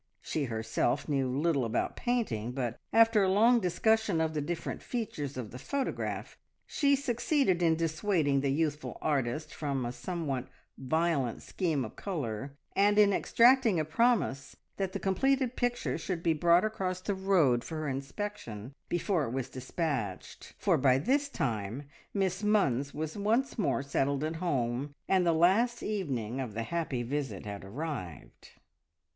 She herself knew little about painting, but after a long discussion of the different features of the photograph, she succeeded in dissuading the youthful artist from a somewhat violent scheme of colour, and in extracting a promise that the completed picture should be brought across the road for her inspection before it was despatched, for by this time Miss Munns was once more settled at home, and the last evening of the happy visit had arrived.